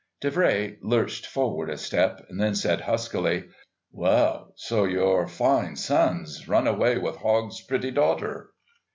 Davray lurched forward a step, then said huskily: "Well, so your fine son's run away with Hogg's pretty daughter."